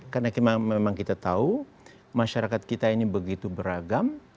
karena memang kita tahu masyarakat kita ini begitu beragam